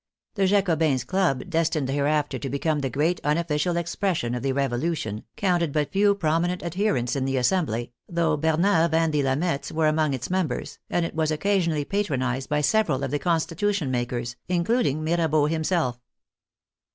The 26 THE FRENCH REVOLUTION Jacobins' club, destined hereafter to become the great unofficial expression of the Revolution, counted but few prominent adherents in the Assembly, though Barnave and the Lameths were among its members, and it was occasionally patronized by several of the Constitution makers, including Mirabeau himself.